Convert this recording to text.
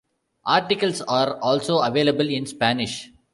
Articles are also available in Spanish.